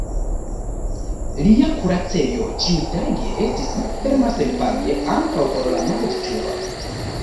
Lia kuracejo ĉiutage estis malferma senpage ankaŭ por la malriĉuloj.